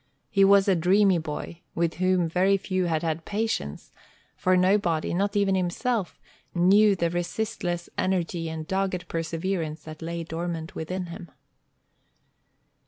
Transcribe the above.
He was a dreamy boy, with whom very few had had patience; for nobody, not even himself, knew the resistless energy and dogged perseverance that lay dormant within him.